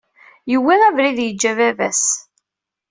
Yewwi abrid yeǧǧa baba-s.